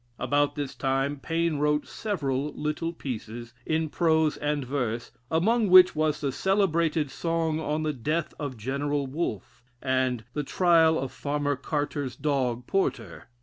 About this time Paine wrote several little pieces, in prose and verse, among which was the celebrated song on the "Death of General Wolfe," and "The Trial of Farmer Carter's Dog, Porter."